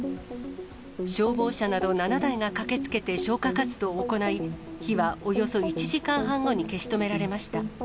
消防車など７台が駆けつけて消火活動を行い、火はおよそ１時間半後に消し止められました。